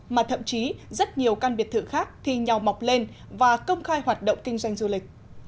mà thậm chí rất nhiều căn biệt thự khác thì nhào mọc lên và công khai hoạt động kinh doanh du lịch